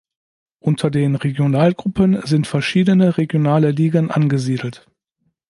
Unter den Regionalgruppen sind verschiedene regionale Ligen angesiedelt.